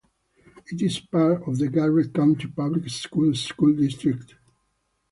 It is part of the Garrett County Public Schools school district.